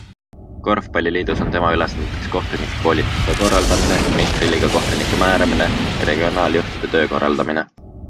Korvpalliliidus on tema ülesanneteks kohtunike koolituste korraldamine, meistriliiga kohtunike määramine ja regioonijuhtide töö korraldamine.